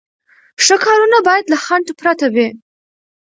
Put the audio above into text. ښه کارونه باید له خنډ پرته وي.